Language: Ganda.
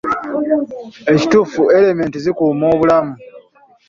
Ekituufu, erementi zikuuma obulamu.